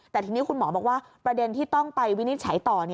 แต่ทีนี้คุณหมอบอกว่าประเด็นที่ต้องไปวินิจฉัยต่อ